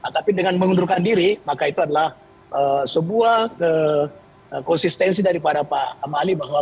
tapi dengan mengundurkan diri maka itu adalah sebuah konsistensi daripada pak amali bahwa